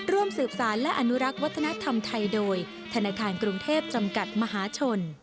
ร่วมสืบสารและอนุรักษ์วัฒนธรรมไทยโดยธนาคารกรุงเทพจำกัดมหาชน